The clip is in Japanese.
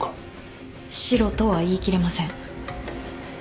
シロとは言い切れません。